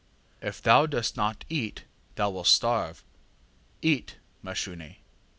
ŌĆÖ ŌĆ£ŌĆśIf thou dost not eat thou wilt starve: eat, Mashune.